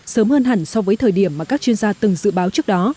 sớm hơn hẳn so với thời điểm mà các chuyên gia từng dự báo trước đó